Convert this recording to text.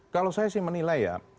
kalau saya sih menilai ya